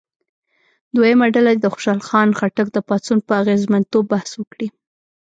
دویمه ډله دې د خوشحال خان خټک د پاڅون په اغېزمنتوب بحث وکړي.